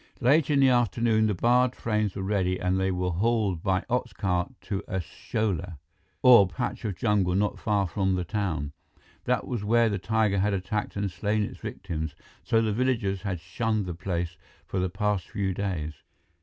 Late in the afternoon, the barred frames were ready, and they were hauled by ox cart to a shola, or patch of jungle not far from the town. That was where the tiger had attacked and slain its victims, so the villagers had shunned the place for the past few days.